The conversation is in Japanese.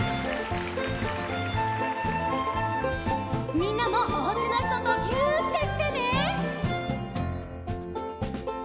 みんなもおうちのひととぎゅってしてね！